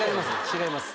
違います。